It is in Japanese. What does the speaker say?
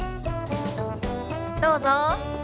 どうぞ。